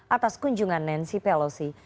atas kunjungan nancy pelosi